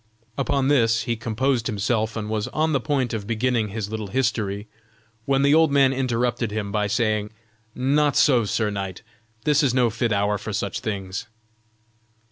Upon this he composed himself and was on the point of beginning his little history, when the old man interrupted him by saying: "Not so, sir knight! this is no fit hour for such things."